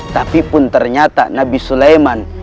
tapi pun ternyata nabi sulaiman